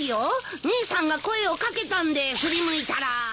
姉さんが声を掛けたんで振り向いたら。